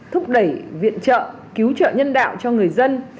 thúc đẩy viện trợ cứu trợ nhân đạo cho người dân